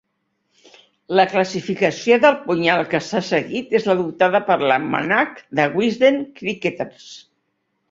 La classificació del punyal que s'ha seguit és l'adoptada per "L'almanac de Wisden Cricketers."